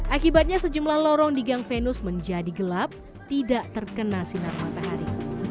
akibatnya sejumlah lorong di gang venus menjadi gelap tidak terkena sinar matahari